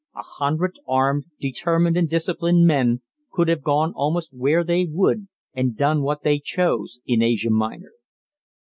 A hundred armed, determined, and disciplined men could have gone almost where they would and done what they chose in Asia Minor.